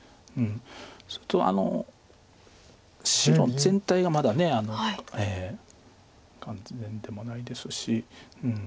それと白全体がまだ完全でもないですし。